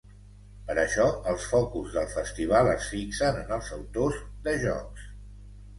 Per això els focus del festival es fixen en els autors de jocs.